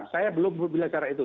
saya belum bilang cara itu